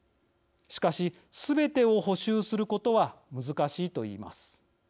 しかし、すべてを補修することは難しいといいます。